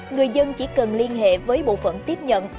người dân chỉ cần liên hệ với bộ phận tiếp nhận